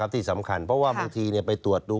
ที่สำคัญเพราะว่าบางทีไปตรวจดู